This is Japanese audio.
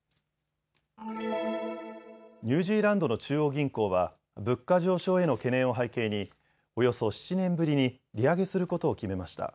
ニュージーランドの中央銀行は物価上昇への懸念を背景におよそ７年ぶりに利上げすることを決めました。